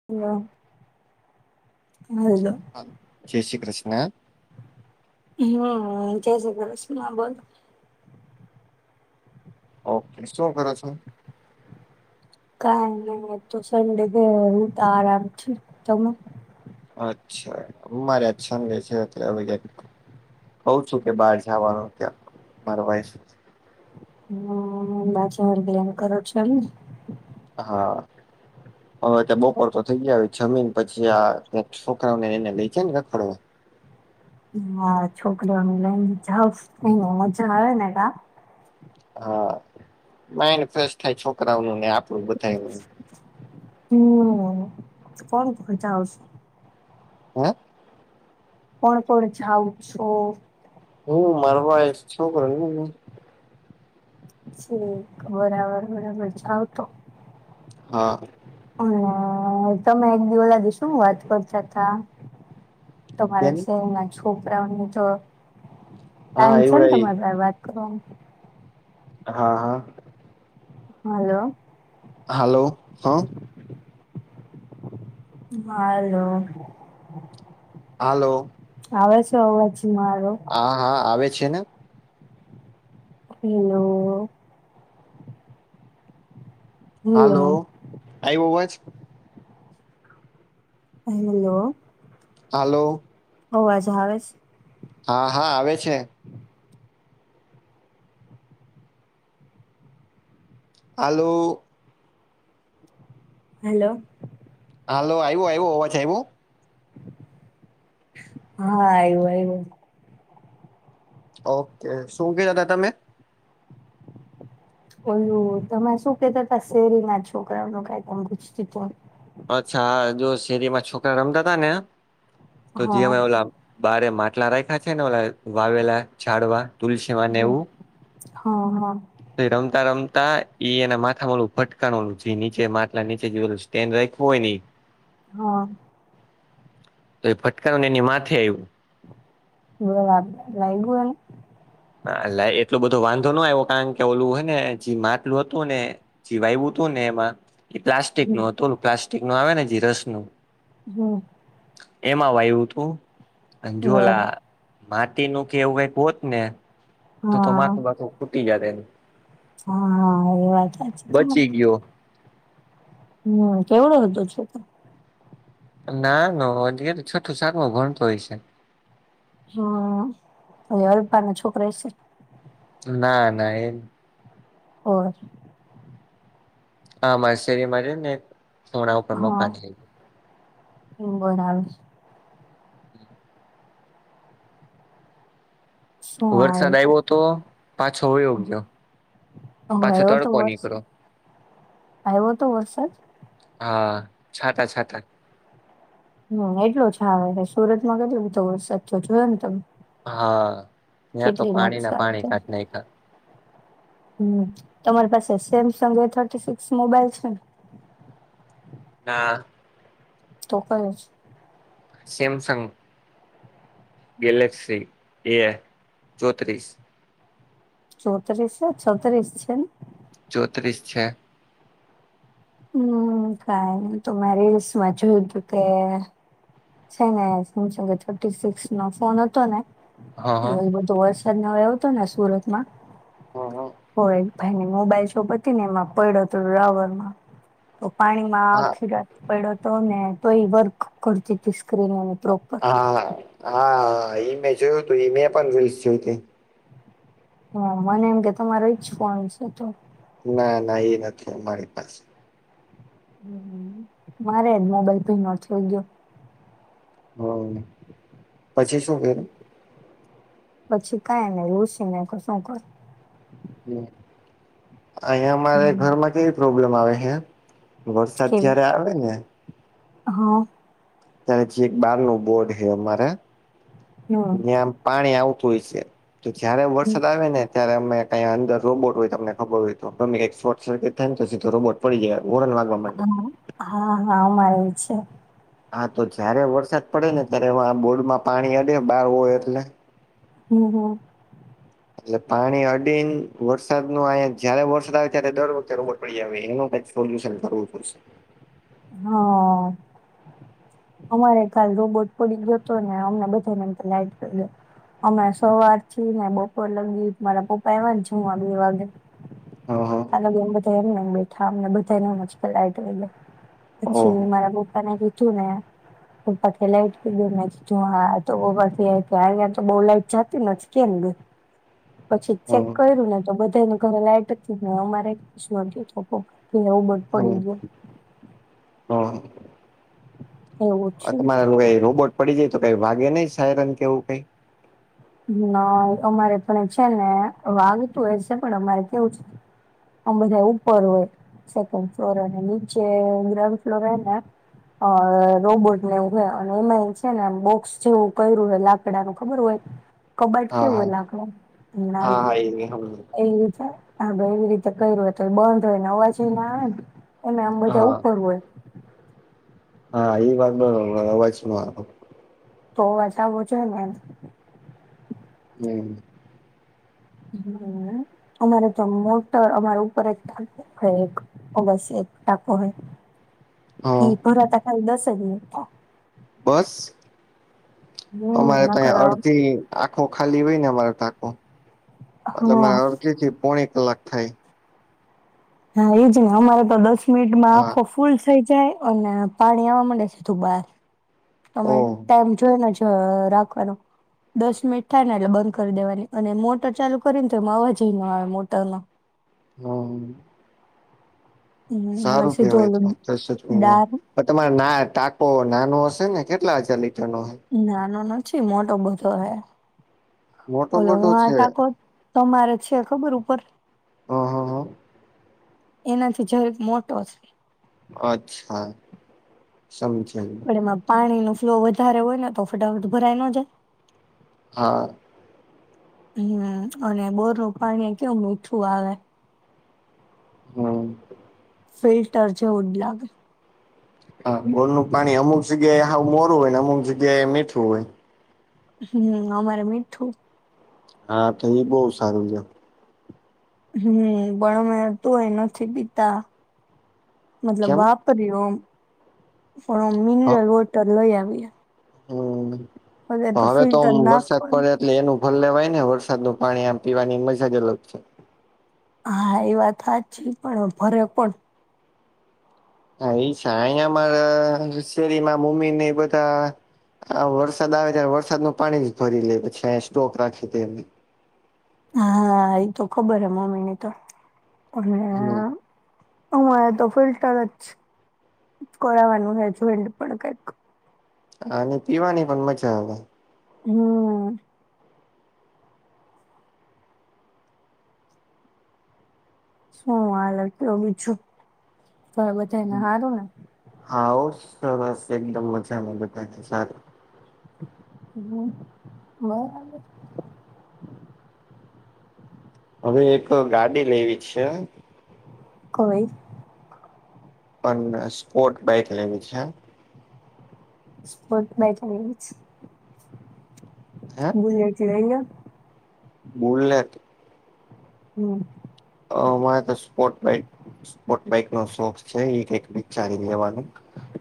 [unintelligible] હ જય શ્રી કૃષ્ણ. હમ જય શ્રી કૃષ્ણાબોલ. ઓકે શું કરો છો? કઈ નહી તો સંડે ઘેર હોવુ તો આરામ છે તમે અચ્છા મારે અચ્છા ગયા છે કહુ છું કે બહાર જવાનું ત્યાં મારા ભાઇ હમ પાછુ હલ્દીરામ કરો તે ચાલે ને હા હવે તો બપોર તો થઇ ગયા જમીન પછી આ છોકરાને એને લઈ જાય ને ફરવા હા છોકરીઓ લઈ જાઓ તો મજા આવે ને જા હા માઈન્ડ ફ્રેશ થાય છોકરાઓ નું ને આપણું બધાય હમ કોણ જાઓ હા કોણ કોણ જાવ છો હમ માર વાઇફ છોકરો ને મમ્મી [inaudible] બરાબર જાવ તો હા અને તમે એક દિ હોલા દિવસ શું વાત કરતા તા તમારા કેની ફોઈના છોકરાઓ તો હા ટાઈમ છે ને એવડાઈ તમારી હારે વાત હમ હા હા હલો હલો હા હલો હલો આવે છે અવાજ મારો હા હા આવે છે ને હેલો હેલો હાલો આઇવો અવાજ હેલો હલો અવાજ આવે છે હા હા આવે છે હેલો હલો હાલો આઈવો આઈવો અવાજ આઇવો હા આઈવો આઇવો ઓકે શું કહતા હતા તમે ઓલુ તમે શું કહેતા તે શેરીના છોકરાઓ ન કંઈક ત ગુચતી અચ્છા હ જો શેરીમાં છોકરા રમતા હતા ને તો જે હા હોય ઓલા બારે માટલા રાખ્યા છે ને ઓ વાવેલા છાડવા તુલસીમાં ને હમ એવું હા હા તે રમતા રમતા એના માથામાં ઓલું ભટકાણું જે નીચે માટલા નીચે જેલું સ્ટેન્ડ રાખવું હોય ને હા તો એ ભટકાયાને એની માથે આવ્યું બરાબર વાયગું એને લ એટલો બધો વાંધો ન આવ્યો કારણ કે ઓલું હને જે માટલું હતું ને જીવા એવું હતું ને એમાં એ પ્લાસ્ટિક નો એને હતો પ્લાસ્ટિક નો આવે ને જે રસ નું જો એમાં વાયું હતું અન બરાબર જોલા માટી નું કે એવું કાંઈક હોત ને તો તો હા માથું બાથું ફૂટી જાત એમ હા હા એ વાત હાચી બચી ગ્યો. હમ્મ કેવડું હતું છે ના નો હજી એ છઠ્ઠુ સાતમું ભણતો હશે હા, એ હરભાના છોકરો [unintelligible] ના ના એમ ઓર હા માર શેરીમા રે ને થોણા ઉપર મોકા છે હમ્મ બોર આવે છે શું આવે વરસાદ આયવો તો પાછો વયો ગ્યો. હોવે એવો તો વર્ષ, આયવો તો વરસાદ હા, છાતા છાતાં હ એટલોજ આવે હે સુરતમાં કેટલો બધો વરસાદ થયો જોયો ન તમે હા, ત્યાં તો કેટલી પાણીનાં નુકસાન પાણી, કાંઇઢ નાયખા હમ્મ, તમારી પાસે સેમસંગ એ થર્ટી-સિક્સ મોબાઈલ છે ન ના. તો કયુંછે સેમસંગ ગેલેક્સી એ ચોત્રીસ ચોત્રીસ છે, છત્રીસ છે ન ચોત્રીસ છે. હમ્મ, કાંઈ ની તો મેં રીલ્સ માં જોયુ તું કે છે ને, શું છે કે થર્ટી-સિક્સનો ફોન હતો ને, હ હ એ બ તો વરસાદ નો આયો તો ને સુરતમાં હ હ હોય ભાઈની મોબાઈલ શોપ હતી ને, એમાં પડ્યો હતો રાવરમાં તો પાણીમાં હા આખી રા પયડો તો ને તો એ વર્ક કરતી તી સ્ક્રીન એની પ્રોપર હા, હા ઈમેં જોયું તું એ મેં પણ જોયું ઈ મેં પણ રીલ્સ જોઈ તી હા, મને એમ કે તમારો ઈજ ફોન છે તો ના, ના, એ નથી અમારી પાસે. હમ્મ હમ્મ હમ્મ મારે મોબાઈલ ભીનો થઈ ગ્યો હ પછી શું કર્યું? પછી કાઈ ને લુષિ નાયખું શું કરું હમ્મ અહીં મારા ઘરમાં કેવી પ્રોબ્લેમ આવે હે વરસાદ જ્યારે આવે ને અ હ ત્યા હજી એક બારનું બોર્ડ હે અમારા હમ ન્યા પાણી આવતું હોય છે તો જ્યારે વરસાદ આવે ને ત્યારે અમે કંઈ અંદર રોબોટ હોય, તમને ખબર હોય તો, ગમે એ શોર્ટ સર્કિટ થાય તો સીધો રોબોટ પડી જાય [unintelligible] હા, હા, હા, અમાર એવું છે. હા, તો જ્યારે વરસાદ પડે ને ત્યારે [unintelligible] બોર્ડમાં પાણી અડે, બાર હોય એટલે હમ્મ હમ્મ એટલે પાણી અડીન, વરસાદ નું હોય જ્યારે વરસાદ આવે ત્યારે દર વખતે રોબોટ પડી આવે એનું કાંઈક સો સોલ્યુશન કરવું પડશે. હા. અમારે ખાલી રોબોટ પડી ગયો હતો ને, અમને બધાને લાઈટ ગયો. અમે સવારથી ને બપોર લગી મારા પપ્પા એવા જ, બે વાગે. હ હા. ત્યારે અમે બધા એમ બેઠા, અમને બધા [unintelligible] પછી ઓહ મેં મારા પપ્પાને કીધું ને પપ્પા કે લાઈટ કીધું જો હા તો આયા બહુ લાઈટ જતી નથી કેમ ગઈ? પછી હા ચેક કર્યું ને તો બધાને ઘરે લાઈટ હતી ને અમારે કે બટ હા પડી ગયો એવું હા થયું તમારા કઈ રોબોટ પડી જાય તો કઈ વાગે નહી સાયરન કેવું કઈ ના અમારે પણ છે ને વાગતું હો છે પણ અમારે કેવું છે આ બધા ઉપર હોય સેકન્ડ ફ્લોર અને નીચે ગ્રાઉન્ડ ફ્લોર હોને અ રોબોટને એવું હોય અને એમાં છે ને બોક્સ જેવું કર્યું હોય લાકડાનું ખબર હોય કબાડ હા કેવું હા હોય લાકડાનુ હા હમણાનું હા એ હમણાં. એવી છે. હા ભાઈ એવી રીતે કયરુ હોય તો બંધ હોય ને અવાજ ઈ ના આવે એને આમ બધા હા ઉપર હોય હા એ વાત બરોબર અવાજ નો આવે તો અવાજ આવું છે ને એમ હમ્મ હમ અમારે જો મોટર અમારા ઉપર જ ચાલ હ એક અગાશી એક ટાકો હોય એ હા ભરાતા ખાલી દસ જ મિનિટ થાય બસ અમારે હમ ત નકર હા અડધી આંખો ખાલી હોય ને મારો ટાકો એટ હા મારા અડધથી પોણે કલાક થાય હા એજ ને અમારે તો દસ મિનિટમાં હા આખો ફુ ફૂલ થઈ જાય અને પાણી આવવા માંડે સીધું બહાર તમે ઓહ ટાઈમ જોઈને જો રાખવાનો દસ મિનિટ થાય ને એટલે બંધ કરી દેવાની અને મોટર ચાલુ કરી ને તો એમાં અવાજય ન આવે મોટરનો હમ્મ હમ અમારે સારું સીધો કેહેવાય ઓલો તો પ્રેશર ડાર પણ તમારે ના ટાકો નાનો હશે ને કેટલા હજાર લીટર નો હશે? નાનો નથી મોટો બધો હે મોટો ઓલો મોટો હું આ છે ટાકો તમારે છે ખબર ઉપર હ હ હ એનાથી જરીક મોટો છે. અચ્છા સમજી ગયો પણ એમાં પાણી નો ફ્લો વધારે હોય ને તો ફટાફટ ભરાય ન જાય હા હમ અને બોર નું પાણી કેવુ મીઠું આવે. હમ્મ ફિલ્ટર જેવું જ લાગે હા બોર નું પાણી અમુક જગ્યાએ મોરું હોય ને અમુક જગ્યાએ એ મીઠું હોય. હમ અમારે મીઠું હા તો એ બહુ સારું છે હમ પણ અમે તું એ નથી પીતા મતલબ કેમ વાપ પણ મિનરલ વોટર લઈ આવીએ હમ્મ હવે તો વરસાદ પડે એટલે એનું ભર લેવાય ને વરસાદનું પાણી આમ પીવાની મજા જ અલગ છે. હા એ વાત હાચી પણ ભરે કોણ? હા ઈ છે અહીયામારા શેરીમાં મમ્મી ને ઈ બધા આ વરસાદ આવે ત્યારે વરસાદનું પાણી જ ભરી લે પછી આઇયા સ્ટોક રાખે દે એમની હા ઈ તો ખબર હે મમ્મી ની તો [unintelligible] હમ્મ અમારે તો ફિલ્ટરજ કરાવાનું હે જોઇન્ડ પણ કઈક આણી પીવાની પણ મજા આવે હમ્મ. શું હાલે કહ્યો બીજું તમારે બધાને હારું ને? હા ઓ સરસ એકદમ મજામાં બધાને સારું હમ્મ બરાબર. અવે એક ગાડી લેવી છે. કઈ? પણ સ્પોર્ટ બાઈક લેવી છે. સ્પોર્ટ બાઇક લેવી છે, હે બુલેટ લેયલ્યો. બુલેટ હમ્મ. અ મારે તો સ્પોર્ટ બાઇક સ્પોર્ટ બાઈક નો શોખ છે ઈ કઇક વિચારીને લેવાનું.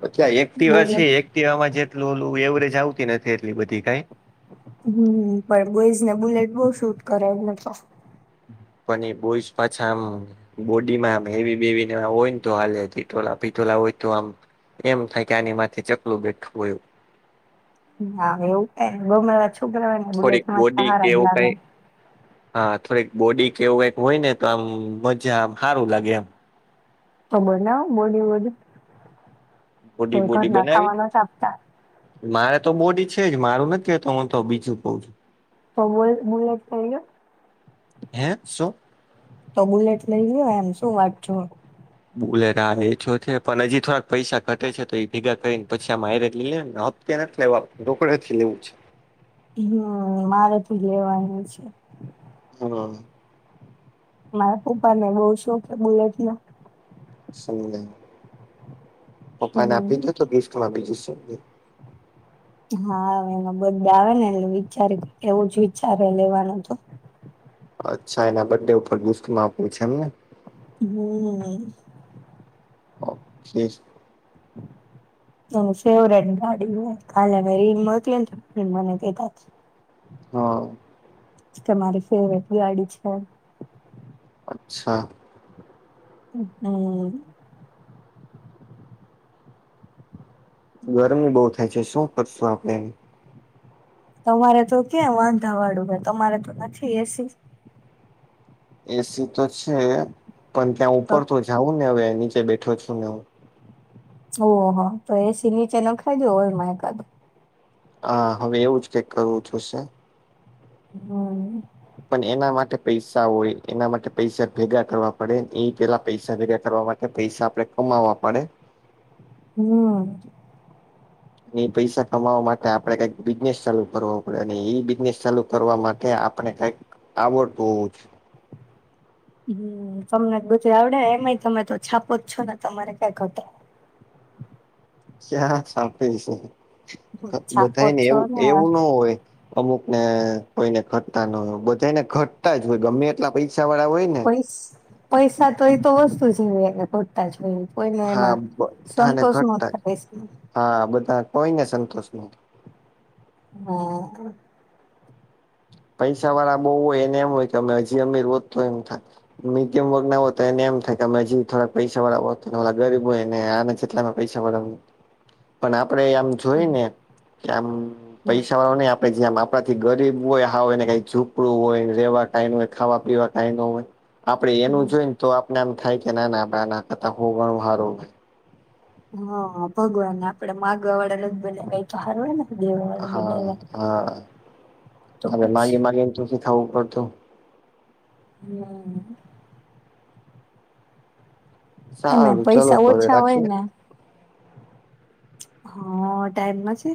પછી આ એક્ટિવા છે બુલેટ એક્ટિવામાં જેટલું ઓલુ એવરેજ આવતી નથી એટલી બધી કાંઈ. હમ્મ પણ બોઈઝ ને બુલેટ બવ શૂટ કરે એટલે તો. પણ ઈ બોઈસ પાછા આમ. બોડીમાં આમ હેવી બેવી ને હોય તો હાલે ટીટોલા પિથોલા હોય તો આમ એમ થાય કે આની માથે ચકલું બેઠું હોય. હા એવું કાય ગમે એવા છોકરાહોય ને બુલેટ થોડીક માં બોડી કે સહારા જ એવું લાગે. કઈ હા થોડીક બોડી કે એવું કાંઈક હોય ને તો આમ મજા આમ હારુ લાગે એમ. તો બનાવ બોડી વોડી કે બોડી બોડી ઘરના બનાવી ખાવા નત આપતા. મારે તો બોડી છે જ મારું નથ કેતો હું તો બીજું કઉ છું તો બોલ બુલેટ લેઇલ્યો. હે સું? તો બુલેટ લઈ લ્યો એમ શું વાટ જોવી. બુલેટ હા ઈ તો છે પણ હજી થોડાક પૈસા ઘટે છે તો ઈ ભેગા કરીને પછી આમ હાઇરેજ લિયે ને હપ તે નથ લેવા રોકડે થી લેવું છે. હમ્મ મારે તો લેવાનું છે. હા મારા પપ્પા ને બઉુ શોખ હે બુલેટ નો. સમજાયું પપ્પાને આપી હમ દયો તો ગિફ્ટમાં બીજું શું. હા અવે એનો બડડે આવે ને એટલે વિચારીને એવું જ વિચારે લેવાનું તો. અચ્છા એના બડ ડે ઉપર ગીફ્ટમા આપવી છે એમ ને? હમ્મ. [unintelligible] હ તમે ફેવરેટ ગાડી લું કાલે રીલ મોયકલી ને તમને મને તો [unintelligible] હ. તમારી ફેવરેટ ગાડી છે. અચ્છા. [inaudible] ગરમી બો થાય છે, શું કરશું આપડે? તમારે તો ક્યાં વાંધા વાળું હે તમારે તો નથી એસી એસી તો છે, પન ત્યાં ઉપર તો જાઉં ને હવે નીચે બેઠો છું ને હું ઓહો તો એસિ નીચે નખાઈ દો હોલમાં એકાદ હા હવે એવું જ કઈક કરવું જોશે હમમ. પણ એના માટે પૈસા હોય એના માટે પૈસા ભેગા કરવા પડે એ પેલા પૈસા ભેગા કરવા મા ટે પૈસા આપડે કમાવવા પડે હમ. એ પૈસા કમાવા માટે આપડે કઈક બિઝનેસ ચાલુ કરવો પડે અને ઈ બિઝનેસ ચાલુ કરવા મા ટે આપણે કંઈક આવડતું ઓવું હમ તમને બધી આવડે એમાંય તમે તો છાપો જ છો ને તમારે ક્યાંય ઘટે કયા છાપે છે, છાપો બધાયને જ છો એવું ને એવું ન હોય. અમુક ને કોઈને ઘટતા ન હોય બધાને ઘટતા જ હોય ગમે એટલા પૈસા વાળા હોય ને પૈસ પૈસા તો એ તો વસ્તુ [unintelligible] તા જ હોય કોઈને હા એમાં બધાને સંતોષ ન ઘટતા જ [unintelligible] હા બધા કોઈને સંતોષ ન હા. પૈસા વાળા બો હોય એને એમ હોય કે અમે હજી અમે રોત એમ થાય મીડિયમ વર્ગ ના હો તો એને એમ થાય કેમે થોડાક પૈસા વાળા હો ગરીબ હોય ને આ જેટલા પૈસા વાળા પણ આપણેે આમ જોઈને કે આમ પૈસા વાળો નઈ આપડે જેમ આપણા થી ગરીબ હોય હાવ એને કઈ છુપડું હોય રેવા કાઈ ન હોય ખાવા પીવા તાઈમ ન હોય આપડે એનું જોય તો આપને એમ થાય કે ના ના ના ના કતા [unintelligible] હ ભગવાનને આપડે માગવા વાળા જ બનાયા તો હારુ એને દેવા વાળા હા બનાયવા હા હવે માગી માગી [unintelligible] ખાવું પડતું હમમ. એમે સારું ચલો પૈસા તો હવે ઓછા હોય રાખીએ ને હ ટાઈમમાં છે.